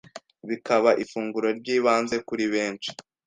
bikaba ifunguro ry’ibanze kuri benshi